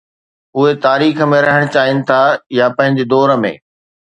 اهي تاريخ ۾ رهڻ چاهين ٿا يا پنهنجي دور ۾؟